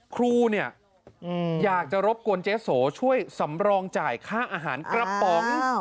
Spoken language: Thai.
ครูเนี่ยอยากจะรบกวนเจ๊โสช่วยสำรองจ่ายค่าอาหารกระป๋อง